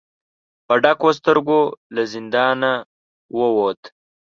په ډکو سترګو له زندانه ووت.